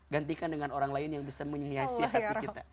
gantikan dengan orang lain yang bisa menyiasa hati kita